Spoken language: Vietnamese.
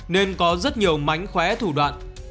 nên có rất nhiều mánh khóe thủ đoạn